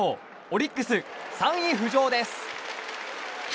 オリックス、３位浮上です！